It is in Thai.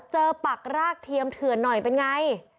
ปักรากเทียมเถื่อนหน่อยเป็นไง